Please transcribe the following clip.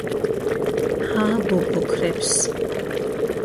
ააბობოქრებს